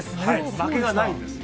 負けがないんです。